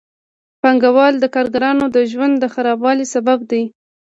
پانګوال د کارګرانو د ژوند د خرابوالي سبب دي